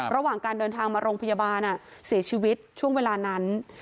ระหว่างการเดินทางมาโรงพยาบาลเสียชีวิตช่วงเวลานั้น